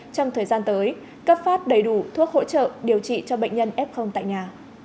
trong thời gian tới cấp phát đầy đủ thuốc hỗ trợ điều trị cho bệnh nhân f tại nhà